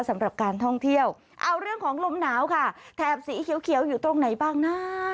สำหรับการท่องเที่ยวเอาเรื่องของลมหนาวค่ะแถบสีเขียวอยู่ตรงไหนบ้างนะ